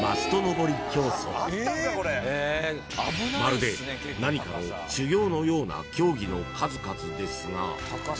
［まるで何かの修行のような競技の数々ですが］